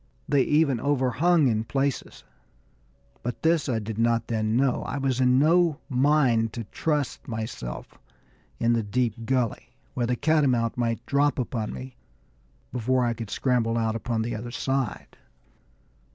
They even overhung in places, but this I did not then know. I was in no mind to trust myself in the deep gully, where the catamount might drop upon me before I could scramble out upon the other side.